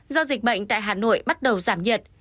do dịch bệnh tại hà nội bắt đầu giảm nhiệt